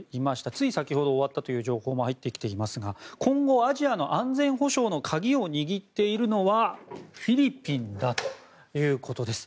つい先ほど終わったという情報も入ってきていますが今後アジアの安全保障の鍵を握っているのがフィリピンだということです。